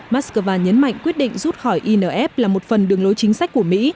moscow nhấn mạnh quyết định rút khỏi inf là một phần đường lối chính sách của mỹ